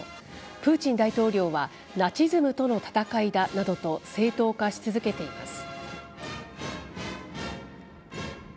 プーチン大統領は、ナチズムとの戦いだなどと、正当化し続けています。